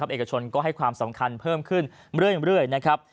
เอกชนก็ให้ความสำคัญเพิ่มขึ้นเรื่อยนะครับ